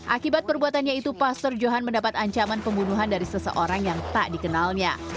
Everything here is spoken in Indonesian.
akibat perbuatannya itu pastor johan mendapat ancaman pembunuhan dari seseorang yang tak dikenalnya